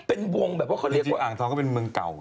เป็นวงแบบว่าเขาเรียกว่าอ่างทองก็เป็นเมืองเก่า